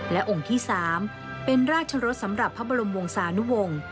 และองค์ที่๓เป็นราชรสสำหรับพระบรมวงศานุวงศ์